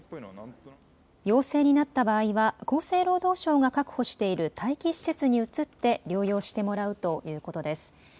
陽性になった場合は厚生労働省が確保している待機施設に移って療養してもらうということです。